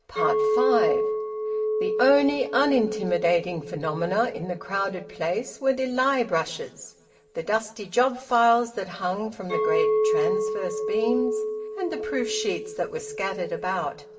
FIVE. The only unintimidating phenomena in the crowded place were the lye brushes, the dusty job files that hung from the great transverse beams, and the proof sheets that were scattered about.